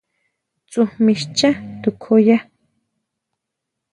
¿Tsujmí schá tukjuya?